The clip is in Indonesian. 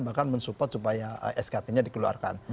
bahkan mensupport supaya skt nya dikeluarkan